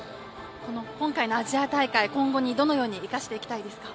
今回のアジア大会、今後にどのように生かしていきたいですか？